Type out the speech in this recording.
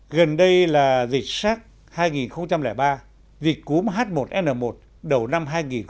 gần đây là dịch sars cov hai dịch cúm h một n một đầu năm hai nghìn một mươi chín